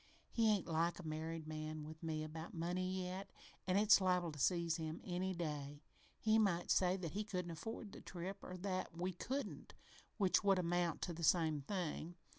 He ain't like a married man with me about money yet, an' it's liable to seize him any day. He might say that he couldn't afford the trip, or that we couldn't, which would amount to the same thing.